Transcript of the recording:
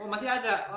oh masih ada